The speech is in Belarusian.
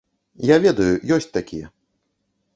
Я ведаю, ёсць такія.